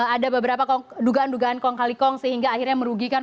ada beberapa dugaan dugaan kong kali kong sehingga akhirnya merugikan